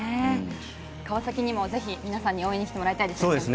川崎にもぜひ皆さんに応援に来てもらいたいですね。